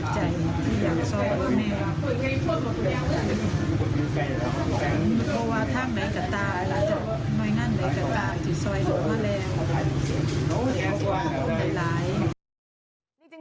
จะโดยงานเลตกลากที่และกับไลน์